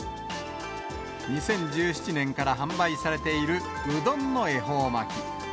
２０１７年から販売されている、うどんの恵方巻。